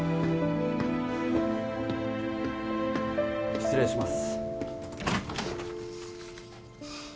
失礼します。